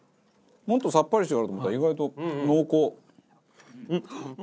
もっとさっぱりしてるのかなと思ったら意外と濃厚。